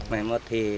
mấy mất thì